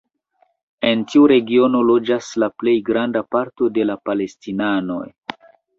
En tiu regiono loĝas la plej granda parto de la palestinanoj.